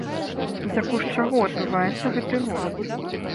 За кошт чаго адбываўся гэты рост?